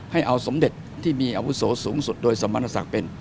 ให้เอาสมเด็จที่มีอาวุโสสูงสุดโดยสมณศักดิ์เป็น